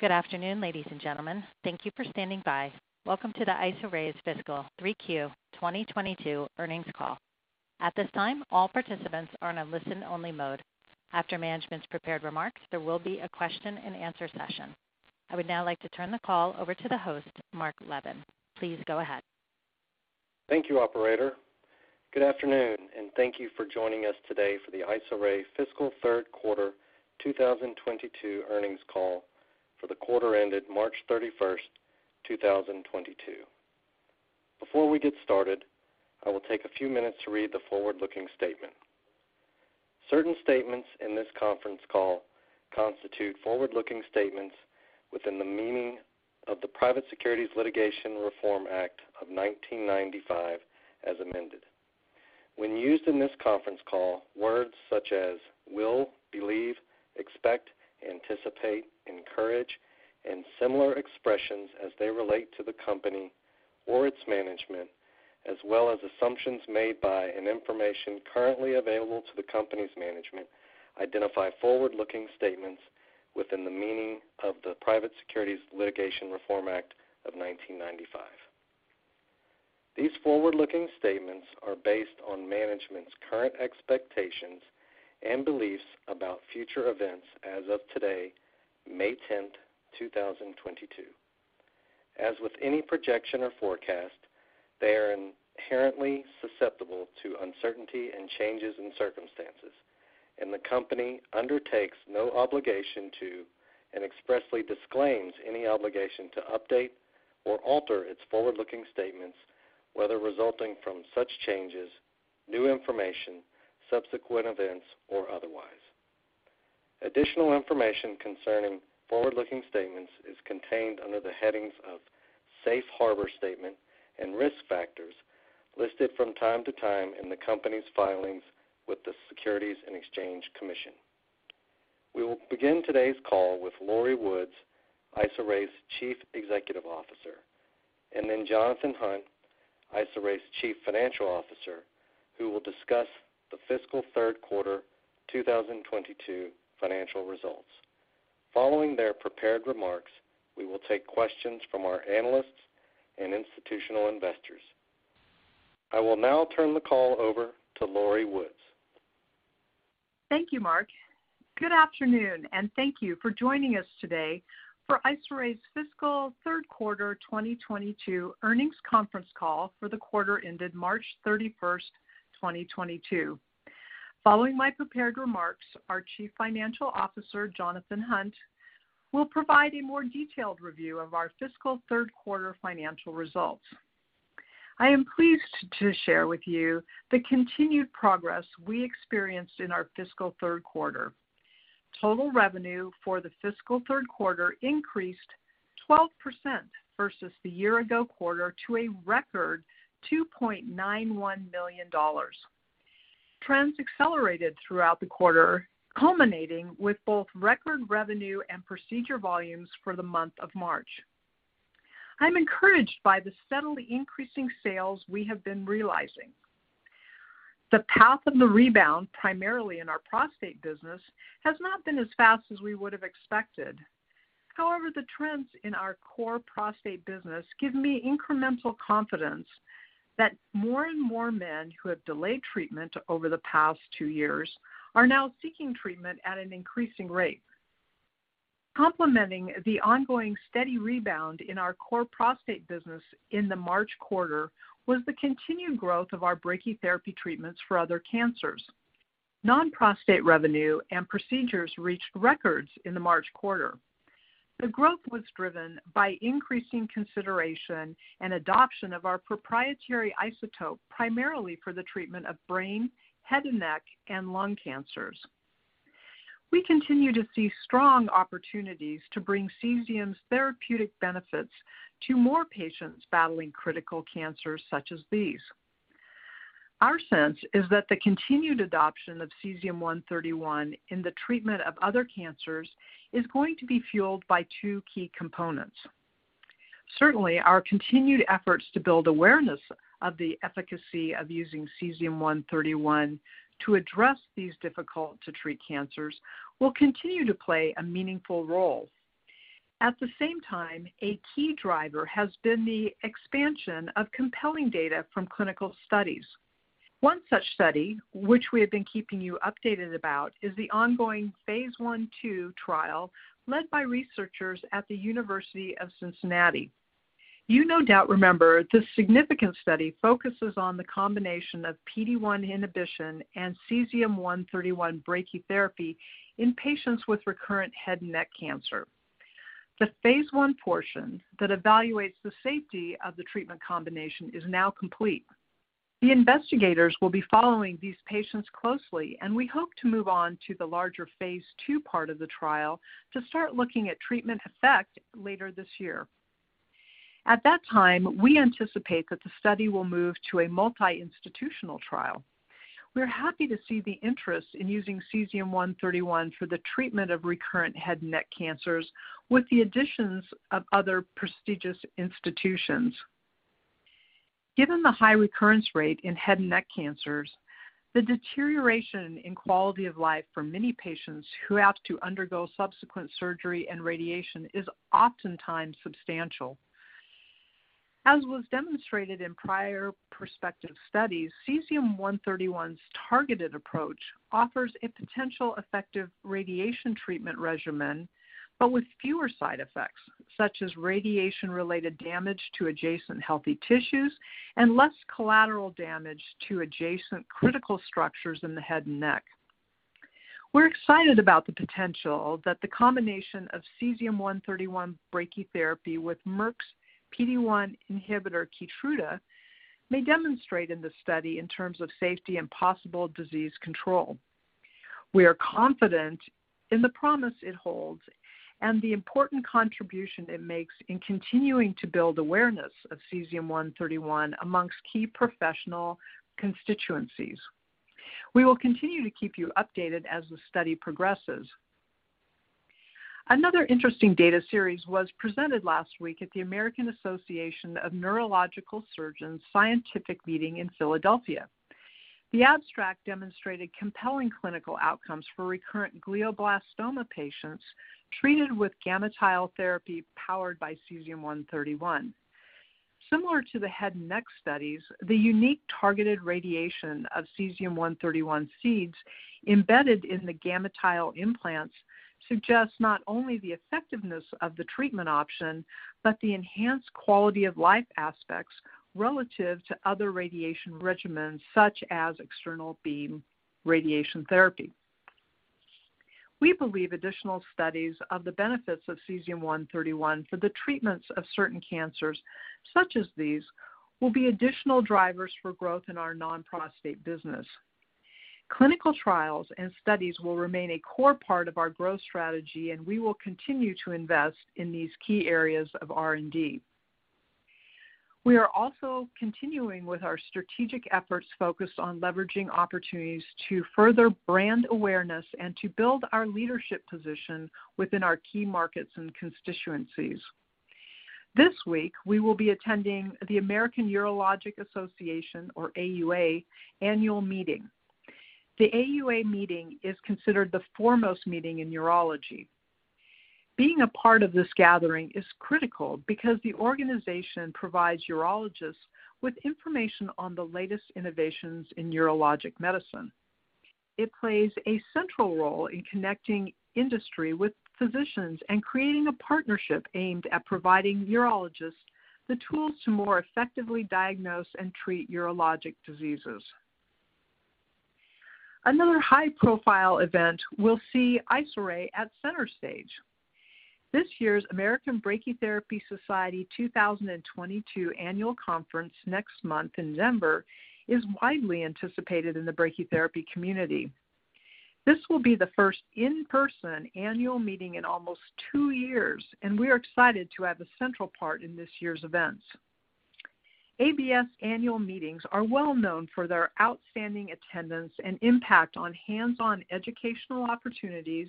Good afternoon, ladies and gentlemen. Thank you for standing by. Welcome to the Isoray's Fiscal 3Q 2022 Earnings Call. At this time, all participants are in a listen-only mode. After management's prepared remarks, there will be a question and answer session. I would now like to turn the call over to the host, Mark Levin. Please go ahead. Thank you, operator. Good afternoon, and thank you for joining us today for the Isoray Fiscal Third Quarter 2022 Earnings Call for the quarter ended March 31, 2022. Before we get started, I will take a few minutes to read the forward-looking statement. Certain statements in this conference call constitute forward-looking statements within the meaning of the Private Securities Litigation Reform Act of 1995, as amended. When used in this conference call, words such as will, believe, expect, anticipate, encourage, and similar expressions as they relate to the company or its management, as well as assumptions made by and information currently available to the company's management, identify forward-looking statements within the meaning of the Private Securities Litigation Reform Act of 1995. These forward-looking statements are based on management's current expectations and beliefs about future events as of today, May 10, 2022. As with any projection or forecast, they are inherently susceptible to uncertainty and changes in circumstances, and the company undertakes no obligation to and expressly disclaims any obligation to update or alter its forward-looking statements, whether resulting from such changes, new information, subsequent events, or otherwise. Additional information concerning forward-looking statements is contained under the headings of "Safe Harbor Statement" and Risk Factors listed from time to time in the company's filings with the Securities and Exchange Commission. We will begin today's call with Lori Woods, Isoray's Chief Executive Officer, and then Jonathan Hunt, Isoray's Chief Financial Officer, who will discuss the fiscal third quarter 2022 financial results. Following their prepared remarks, we will take questions from our analysts and institutional investors. I will now turn the call over to Lori Woods. Thank you, Mark. Good afternoon, and thank you for joining us today for Isoray's Fiscal Third Quarter 2022 Earnings Conference Call for the quarter ended March 31, 2022. Following my prepared remarks, our Chief Financial Officer, Jonathan Hunt, will provide a more detailed review of our fiscal third quarter financial results. I am pleased to share with you the continued progress we experienced in our fiscal third quarter. Total revenue for the fiscal third quarter increased 12% versus the year ago quarter to a record $2.91 million. Trends accelerated throughout the quarter, culminating with both record revenue and procedure volumes for the month of March. I'm encouraged by the steadily increasing sales we have been realizing. The path of the rebound, primarily in our prostate business, has not been as fast as we would have expected. However, the trends in our core prostate business give me incremental confidence that more and more men who have delayed treatment over the past two years are now seeking treatment at an increasing rate. Complementing the ongoing steady rebound in our core prostate business in the March quarter was the continued growth of our brachytherapy treatments for other cancers. Non-prostate revenue and procedures reached records in the March quarter. The growth was driven by increasing consideration and adoption of our proprietary isotope, primarily for the treatment of brain, head and neck, and lung cancers. We continue to see strong opportunities to bring Cesium's therapeutic benefits to more patients battling critical cancers such as these. Our sense is that the continued adoption of Cesium-131 in the treatment of other cancers is going to be fueled by two key components. Certainly, our continued efforts to build awareness of the efficacy of using Cesium-131 to address these difficult to treat cancers will continue to play a meaningful role. At the same time, a key driver has been the expansion of compelling data from clinical studies. One such study, which we have been keeping you updated about, is the ongoing phase I/II trial led by researchers at the University of Cincinnati. You no doubt remember this significant study focuses on the combination of PD-1 inhibition and Cesium-131 brachytherapy in patients with recurrent head and neck cancer. The phase I portion that evaluates the safety of the treatment combination is now complete. The investigators will be following these patients closely, and we hope to move on to the larger phase II part of the trial to start looking at treatment effect later this year. At that time, we anticipate that the study will move to a multi-institutional trial. We're happy to see the interest in using Cesium-131 for the treatment of recurrent head and neck cancers with the additions of other prestigious institutions. Given the high recurrence rate in head and neck cancers, the deterioration in quality of life for many patients who have to undergo subsequent surgery and radiation is oftentimes substantial. As was demonstrated in prior prospective studies, Cesium-131's targeted approach offers a potential effective radiation treatment regimen, but with fewer side effects, such as radiation-related damage to adjacent healthy tissues and less collateral damage to adjacent critical structures in the head and neck. We're excited about the potential that the combination of Cesium-131 brachytherapy with Merck's PD-1 inhibitor, Keytruda, may demonstrate in the study in terms of safety and possible disease control. We are confident in the promise it holds and the important contribution it makes in continuing to build awareness of Cesium-131 amongst key professional constituencies. We will continue to keep you updated as the study progresses. Another interesting data series was presented last week at the American Association of Neurological Surgeons scientific meeting in Philadelphia. The abstract demonstrated compelling clinical outcomes for recurrent glioblastoma patients treated with GammaTile therapy powered by Cesium-131. Similar to the head and neck studies, the unique targeted radiation of Cesium-131 seeds embedded in the GammaTile implants suggests not only the effectiveness of the treatment option, but the enhanced quality-of-life aspects relative to other radiation regimens such as external beam radiation therapy. We believe additional studies of the benefits of Cesium-131 for the treatments of certain cancers, such as these, will be additional drivers for growth in our non-prostate business. Clinical trials and studies will remain a core part of our growth strategy, and we will continue to invest in these key areas of R&D. We are also continuing with our strategic efforts focused on leveraging opportunities to further brand awareness and to build our leadership position within our key markets and constituencies. This week, we will be attending the American Urological Association, or AUA, annual meeting. The AUA meeting is considered the foremost meeting in urology. Being a part of this gathering is critical because the organization provides urologists with information on the latest innovations in urologic medicine. It plays a central role in connecting industry with physicians and creating a partnership aimed at providing urologists the tools to more effectively diagnose and treat urologic diseases. Another high-profile event will see Isoray at center stage. This year's American Brachytherapy Society 2022 Annual Conference next month in November is widely anticipated in the brachytherapy community. This will be the first in-person annual meeting in almost two years, and we are excited to have a central part in this year's events. ABS annual meetings are well known for their outstanding attendance and impact on hands-on educational opportunities,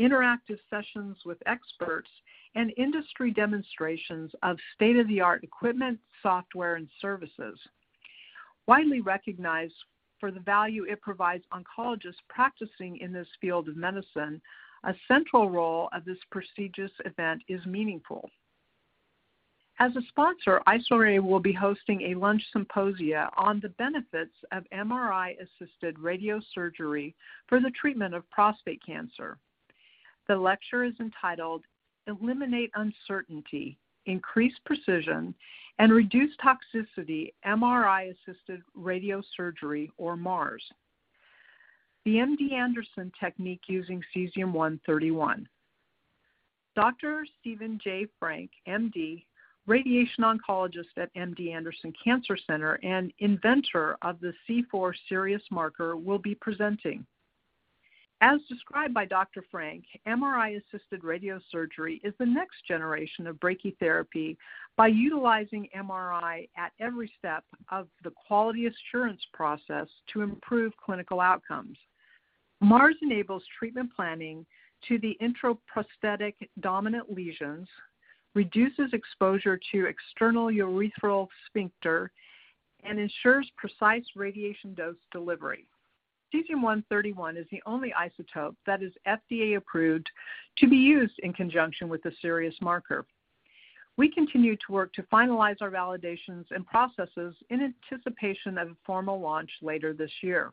interactive sessions with experts, and industry demonstrations of state-of-the-art equipment, software, and services. Widely recognized for the value it provides oncologists practicing in this field of medicine, a central role of this prestigious event is meaningful. As a sponsor, Isoray will be hosting a lunch symposia on the benefits of MRI-assisted radiosurgery for the treatment of prostate cancer. The lecture is entitled Eliminate Uncertainty, Increase Precision, and Reduce Toxicity. MRI-Assisted Radiosurgery, or MARS, the MD Anderson technique using Cesium-131. Dr. Steven J. Frank MD, radiation oncologist at MD Anderson Cancer Center and inventor of the C4 Sirius marker, will be presenting. As described by Dr. Frank, MRI-assisted radiosurgery is the next generation of brachytherapy by utilizing MRI at every step of the quality assurance process to improve clinical outcomes. MARS enables treatment planning to the intraprostatic dominant lesions, reduces exposure to external urethral sphincter, and ensures precise radiation dose delivery. Cesium-131 is the only isotope that is FDA approved to be used in conjunction with the Sirius marker. We continue to work to finalize our validations and processes in anticipation of a formal launch later this year.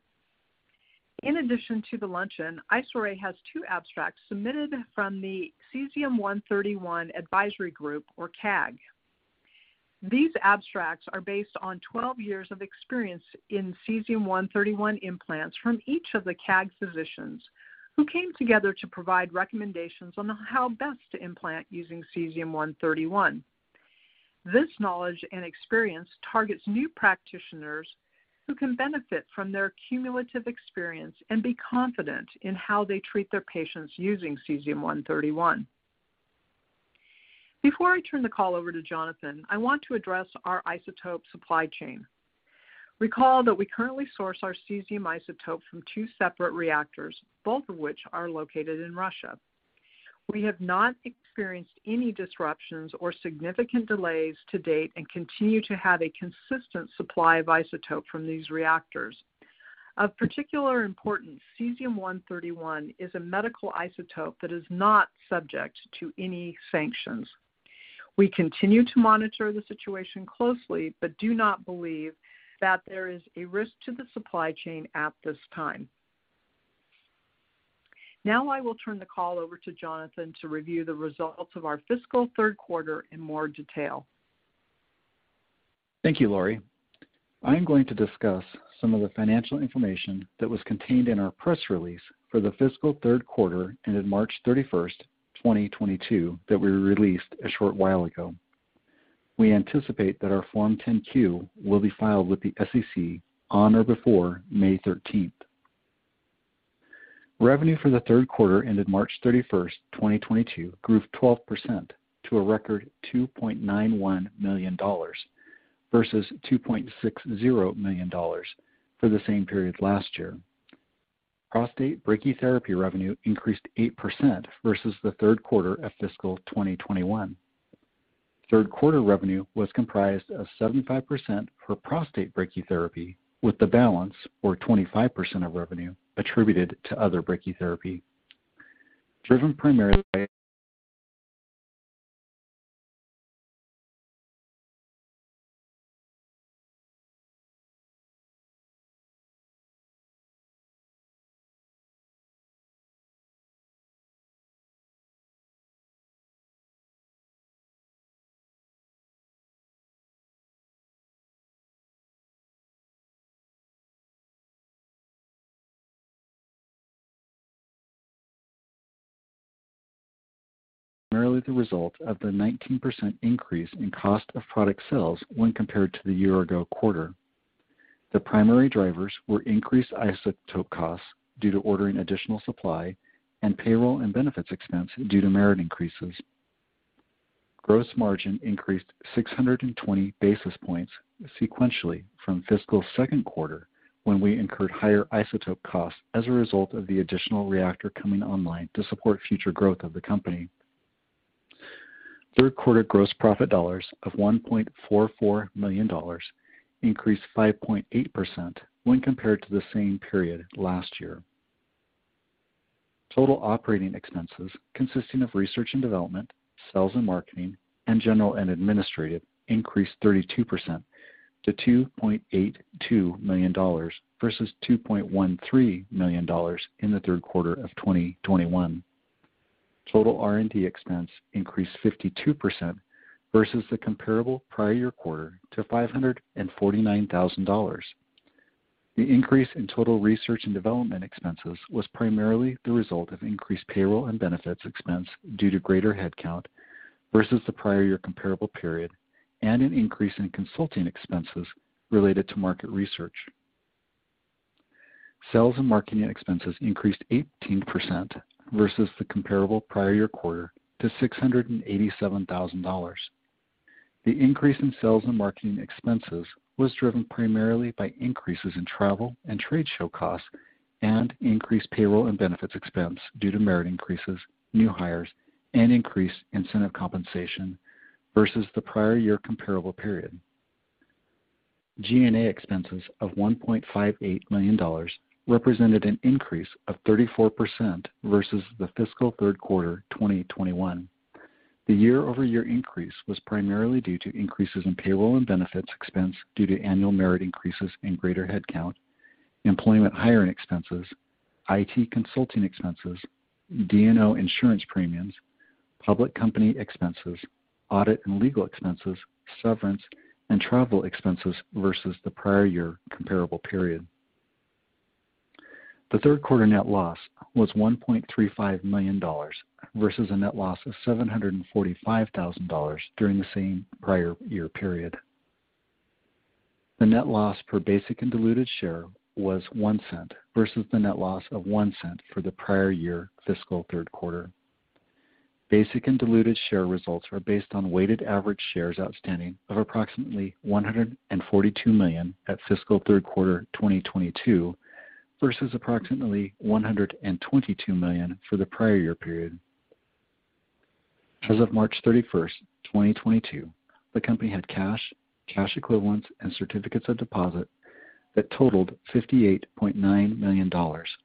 In addition to the luncheon, Isoray has two abstracts submitted from the Cesium-131 Advisory Group, or CAG. These abstracts are based on 12 years of experience in Cesium-131 implants from each of the CAG physicians who came together to provide recommendations on how best to implant using Cesium-131. This knowledge and experience targets new practitioners who can benefit from their cumulative experience and be confident in how they treat their patients using Cesium-131. Before I turn the call over to Jonathan, I want to address our isotope supply chain. Recall that we currently source our cesium isotopes from two separate reactors, both of which are located in Russia. We have not experienced any disruptions or significant delays to date and continue to have a consistent supply of isotope from these reactors. Of particular importance, Cesium-131 is a medical isotope that is not subject to any sanctions. We continue to monitor the situation closely, but do not believe that there is a risk to the supply chain at this time. Now I will turn the call over to Jonathan to review the results of our fiscal third quarter in more detail. Thank you, Lori. I am going to discuss some of the financial information that was contained in our press release for the fiscal third quarter ended March 31st, 2022 that we released a short while ago. We anticipate that our Form 10-Q will be filed with the SEC on or before May 13th. Revenue for the third quarter ended March 31st, 2022 grew 12% to a record $2.91 million versus $2.60 million for the same period last year. Prostate brachytherapy revenue increased 8% versus the third quarter of fiscal 2021. Third quarter revenue was comprised of 75% for prostate brachytherapy, with the balance, or 25% of revenue, attributed to other brachytherapy. Primarily the result of the 19% increase in cost of product sales when compared to the year-ago quarter. The primary drivers were increased isotope costs due to ordering additional supply and payroll and benefits expense due to merit increases. Gross margin increased 620 basis points sequentially from fiscal second quarter, when we incurred higher isotope costs as a result of the additional reactor coming online to support future growth of the company. Third quarter gross profit dollars of $1.44 million increased 5.8% when compared to the same period last year. Total operating expenses, consisting of research and development, sales and marketing, and general and administrative, increased 32% to $2.82 million versus $2.13 million in the third quarter of 2021. Total R&D expense increased 52% versus the comparable prior year quarter to $549,000. The increase in total research and development expenses was primarily the result of increased payroll and benefits expense due to greater headcount versus the prior year comparable period and an increase in consulting expenses related to market research. Sales and marketing expenses increased 18% versus the comparable prior year quarter to $687,000. The increase in sales and marketing expenses was driven primarily by increases in travel and trade show costs and increased payroll and benefits expense due to merit increases, new hires, and increased incentive compensation versus the prior year comparable period. G&A expenses of $1.58 million represented an increase of 34% versus the fiscal third quarter 2021. The year-over-year increase was primarily due to increases in payroll and benefits expense due to annual merit increases in greater headcount, employment hiring expenses, IT consulting expenses, D&O insurance premiums, public company expenses, audit and legal expenses, severance and travel expenses versus the prior year comparable period. The third quarter net loss was $1.35 million versus a net loss of $745,000 during the same prior year period. The net loss per basic and diluted share was $0.01 versus the net loss of $0.01 for the prior year fiscal third quarter. Basic and diluted share results are based on weighted average shares outstanding of approximately 142 million at fiscal third quarter 2022 versus approximately 122 million for the prior year period. As of March 31st, 2022, the company had cash equivalents, and certificates of deposit that totaled $58.9 million,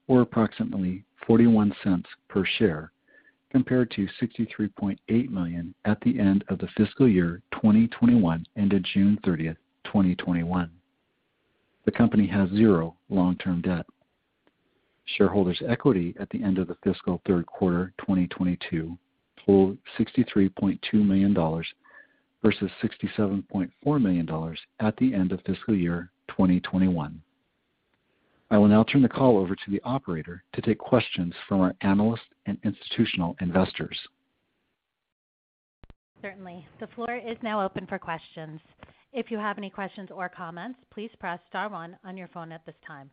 or approximately $0.41 per share, compared to $63.8 million at the end of the fiscal year 2021 ended June 30th, 2021. The company has zero long-term debt. Shareholders' equity at the end of the fiscal third quarter 2022 totaled $63.2 million versus $67.4 million at the end of fiscal year 2021. I will now turn the call over to the operator to take questions from our analysts and institutional investors. Certainly. The floor is now open for questions. If you have any questions or comments, please press star one on your phone at this time.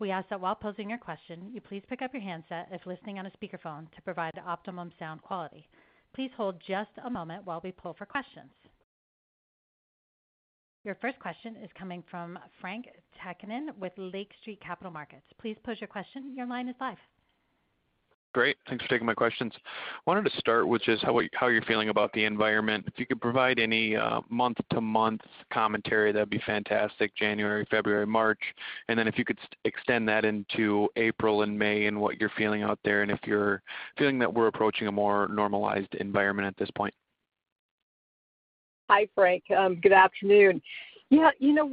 We ask that while posing your question, you please pick up your handset if listening on a speakerphone to provide the optimum sound quality. Please hold just a moment while we pull for questions. Your first question is coming from Frank Takkinen with Lake Street Capital Markets. Please pose your question. Your line is live. Great. Thanks for taking my questions. Wanted to start with just how you're feeling about the environment. If you could provide any month-to-month commentary, that'd be fantastic, January, February, March. If you could extend that into April and May and what you're feeling out there, and if you're feeling that we're approaching a more normalized environment at this point. Hi, Frank. Good afternoon. Yeah, you know,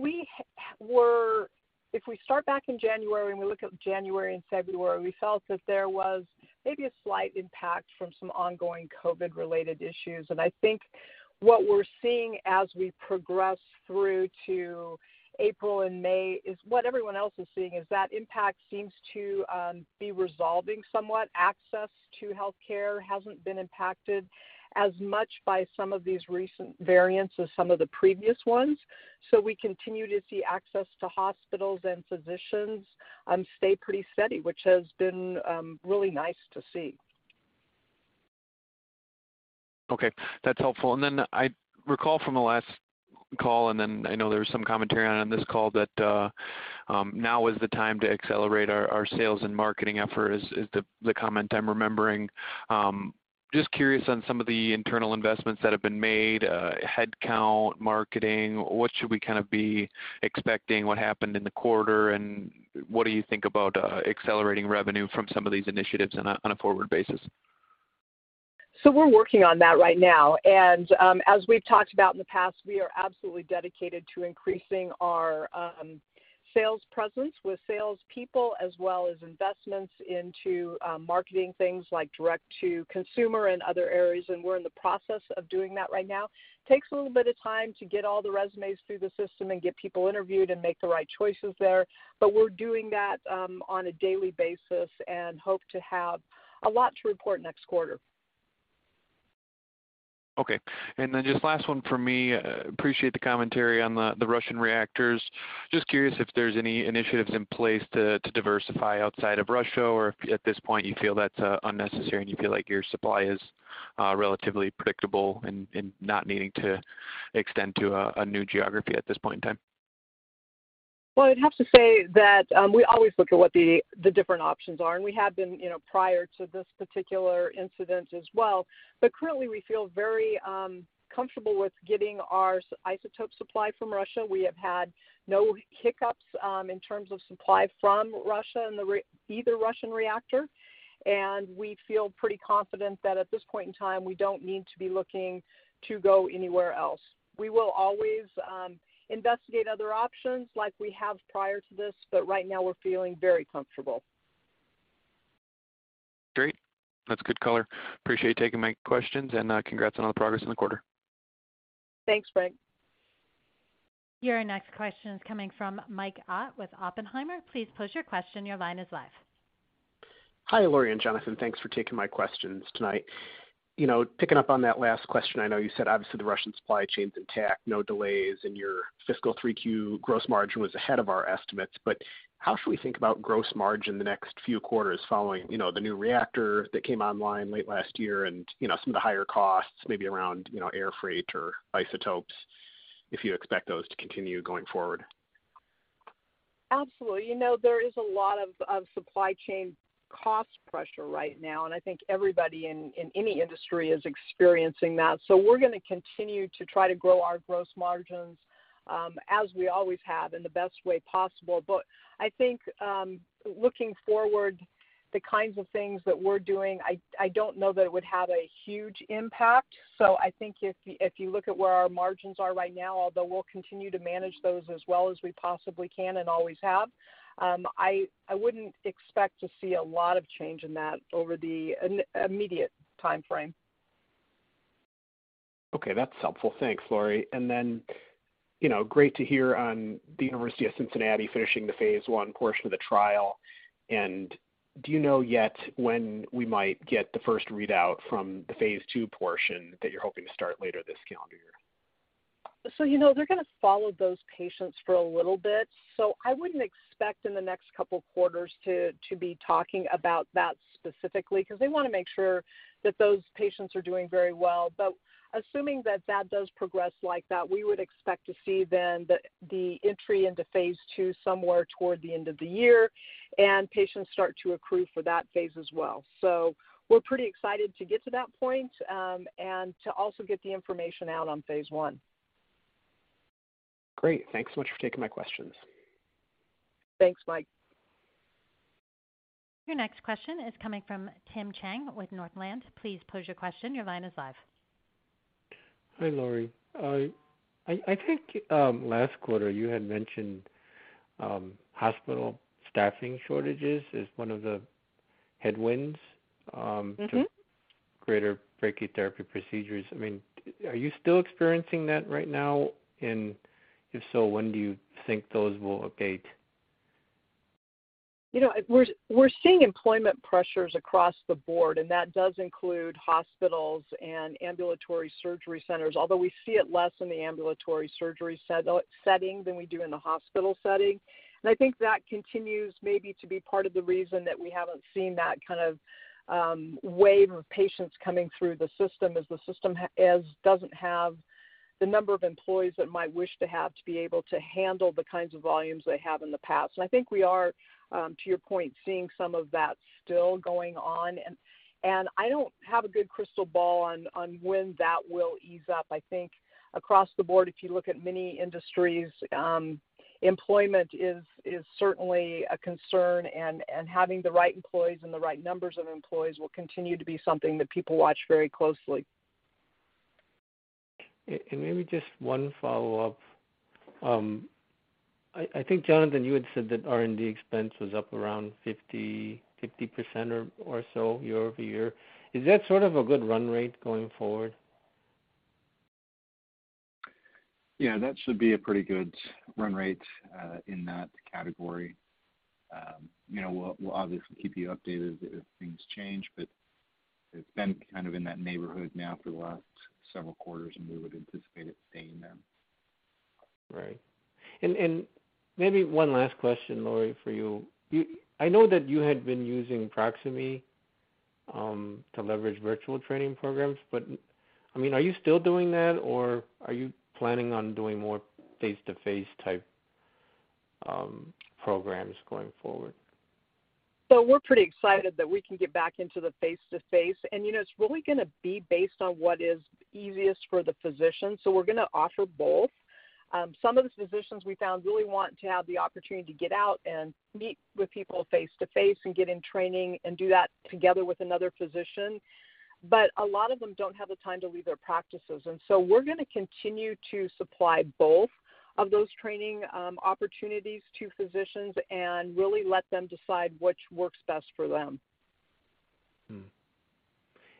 if we start back in January, and we look at January and February, we felt that there was maybe a slight impact from some ongoing COVID-related issues. I think what we're seeing as we progress through to April and May is what everyone else is seeing, is that impact seems to be resolving somewhat. Access to healthcare hasn't been impacted as much by some of these recent variants as some of the previous ones. We continue to see access to hospitals and physicians stay pretty steady, which has been really nice to see. Okay. That's helpful. I recall from the last call, I know there was some commentary on it on this call that now is the time to accelerate our sales and marketing effort, is the comment I'm remembering. Just curious on some of the internal investments that have been made, headcount, marketing, what should we kind of be expecting, what happened in the quarter, and what do you think about accelerating revenue from some of these initiatives on a forward basis? We're working on that right now. As we've talked about in the past, we are absolutely dedicated to increasing our sales presence with sales people as well as investments into marketing things like direct to consumer and other areas, and we're in the process of doing that right now. Takes a little bit of time to get all the resumes through the system and get people interviewed and make the right choices there. We're doing that on a daily basis and hope to have a lot to report next quarter. Just last one for me. Appreciate the commentary on the Russian reactors. Just curious if there's any initiatives in place to diversify outside of Russia, or if at this point you feel that's unnecessary, and you feel like your supply is relatively predictable and not needing to extend to a new geography at this point in time. Well, I'd have to say that we always look at what the different options are, and we have been, you know, prior to this particular incident as well. But currently we feel very comfortable with getting our isotope supply from Russia. We have had no hiccups in terms of supply from Russia and the Russian reactor. We feel pretty confident that at this point in time, we don't need to be looking to go anywhere else. We will always investigate other options like we have prior to this, but right now we're feeling very comfortable. Great. That's good color. Appreciate you taking my questions, and congrats on all the progress in the quarter. Thanks, Frank. Your next question is coming from Mike Ott with Oppenheimer. Please pose your question. Your line is live. Hi, Lori and Jonathan. Thanks for taking my questions tonight. You know, picking up on that last question, I know you said obviously the Russian supply chain's intact, no delays, and your fiscal 3Q gross margin was ahead of our estimates. How should we think about gross margin the next few quarters following, you know, the new reactor that came online late last year and, you know, some of the higher costs, maybe around, you know, air freight or isotopes, if you expect those to continue going forward? Absolutely. You know, there is a lot of supply chain cost pressure right now, and I think everybody in any industry is experiencing that. We're gonna continue to try to grow our gross margins as we always have in the best way possible. I think looking forward, the kinds of things that we're doing, I don't know that it would have a huge impact. I think if you look at where our margins are right now, although we'll continue to manage those as well as we possibly can and always have, I wouldn't expect to see a lot of change in that over the immediate timeframe. Okay. That's helpful. Thanks, Lori. You know, great to hear on the University of Cincinnati finishing the phase I portion of the trial. Do you know yet when we might get the first readout from the phase II portion that you're hoping to start later this calendar year? You know, they're gonna follow those patients for a little bit. I wouldn't expect in the next couple of quarters to be talking about that specifically, 'cause they wanna make sure that those patients are doing very well. Assuming that that does progress like that, we would expect to see then the entry into phase II somewhere toward the end of the year, and patients start to accrue for that phase as well. We're pretty excited to get to that point, and to also get the information out on phase I. Great. Thanks so much for taking my questions. Thanks, Mike. Your next question is coming from Tim Chang with Northland. Please pose your question. Your line is live. Hi, Lori. I think last quarter you had mentioned hospital staffing shortages as one of the headwinds. Mm-hmm... to greater brachytherapy procedures. I mean, are you still experiencing that right now? If so, when do you think those will abate? You know, we're seeing employment pressures across the board, and that does include hospitals and ambulatory surgery centers, although we see it less in the ambulatory surgery setting than we do in the hospital setting. I think that continues maybe to be part of the reason that we haven't seen that kind of wave of patients coming through the system, as the system doesn't have the number of employees it might wish to have to be able to handle the kinds of volumes they have in the past. I think we are to your point, seeing some of that still going on. I don't have a good crystal ball on when that will ease up. I think across the board, if you look at many industries, employment is certainly a concern, and having the right employees and the right numbers of employees will continue to be something that people watch very closely. Maybe just one follow-up. I think, Jonathan, you had said that R&D expense was up around 50% or so year-over-year. Is that sort of a good run rate going forward? Yeah, that should be a pretty good run rate in that category. You know, we'll obviously keep you updated if things change, but it's been kind of in that neighborhood now for the last several quarters, and we would anticipate it staying there. Right. Maybe one last question, Lori, for you. I know that you had been using Proximie to leverage virtual training programs, but, I mean, are you still doing that, or are you planning on doing more face-to-face type programs going forward? We're pretty excited that we can get back into the face-to-face. You know, it's really gonna be based on what is easiest for the physician, so we're gonna offer both. Some of the physicians we found really want to have the opportunity to get out and meet with people face-to-face and get in training and do that together with another physician. But a lot of them don't have the time to leave their practices, and so we're gonna continue to supply both of those training opportunities to physicians and really let them decide which works best for them.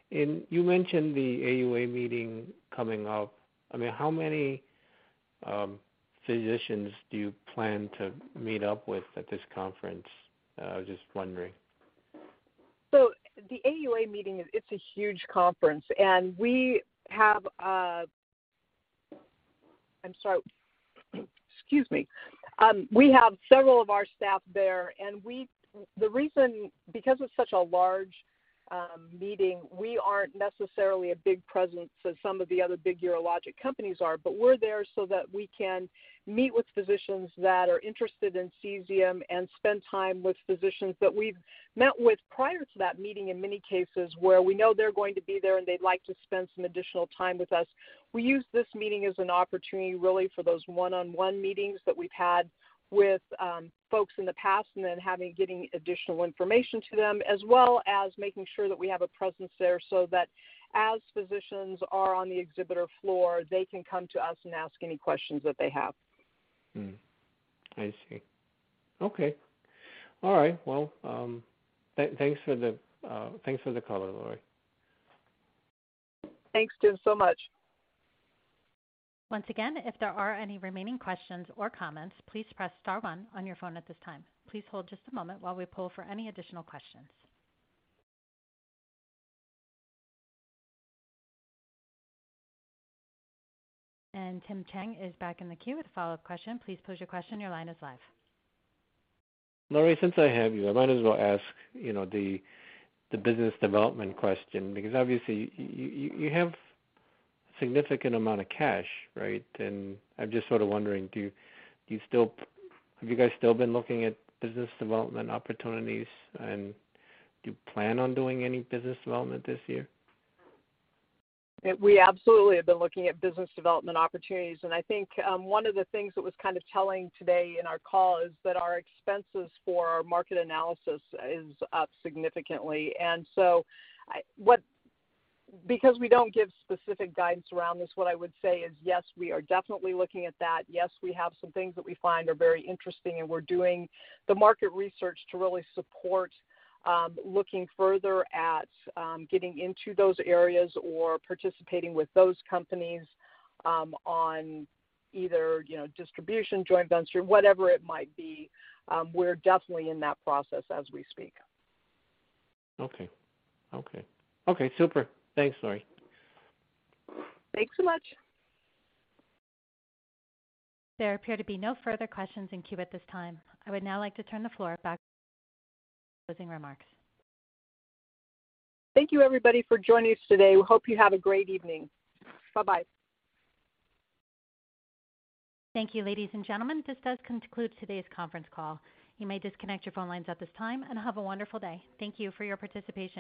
You mentioned the AUA meeting coming up. I mean, how many physicians do you plan to meet up with at this conference? I was just wondering. The AUA meeting is a huge conference, and we have several of our staff there. It's such a large meeting, we aren't necessarily a big presence as some of the other big urologic companies are. We're there so that we can meet with physicians that are interested in Cesium and spend time with physicians that we've met with prior to that meeting, in many cases, where we know they're going to be there, and they'd like to spend some additional time with us. We use this meeting as an opportunity really for those one-on-one meetings that we've had with folks in the past and then getting additional information to them, as well as making sure that we have a presence there, so that as physicians are on the exhibitor floor, they can come to us and ask any questions that they have. I see. Okay. All right. Well, thanks for the color, Lori. Thanks, Jim, so much. Once again, if there are any remaining questions or comments, please press star one on your phone at this time. Please hold just a moment while we pull for any additional questions. Tim Chang is back in the queue with a follow-up question. Please pose your question. Your line is live. Lori, since I have you, I might as well ask, you know, the business development question because obviously you have significant amount of cash, right? I'm just sort of wondering, have you guys still been looking at business development opportunities, and do you plan on doing any business development this year? We absolutely have been looking at business development opportunities. I think one of the things that was kind of telling today in our call is that our expenses for our market analysis is up significantly. Because we don't give specific guidance around this, what I would say is, yes, we are definitely looking at that. Yes, we have some things that we find are very interesting, and we're doing the market research to really support looking further at getting into those areas or participating with those companies on either, you know, distribution, joint venture, whatever it might be. We're definitely in that process as we speak. Okay, super. Thanks, Lori. Thanks so much. There appear to be no further questions in queue at this time. I would now like to turn the floor back to you for closing remarks. Thank you, everybody, for joining us today. We hope you have a great evening. Bye-bye. Thank you, ladies and gentlemen. This does conclude today's conference call. You may disconnect your phone lines at this time, and have a wonderful day. Thank you for your participation.